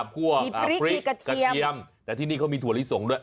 พวกพริกกระเทียมแต่ที่นี่เขามีถั่วลิสงด้วย